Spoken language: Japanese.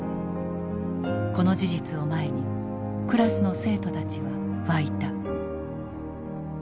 この事実を前にクラスの生徒たちは沸いた。